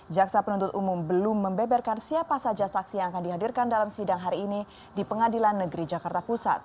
jaksa penuntut umum belum membeberkan siapa saja saksi yang akan dihadirkan dalam sidang hari ini di pengadilan negeri jakarta pusat